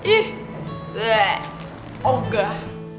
ih bleh oh enggak